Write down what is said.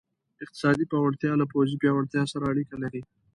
اقتصادي پیاوړتیا له پوځي پیاوړتیا سره اړیکه لري.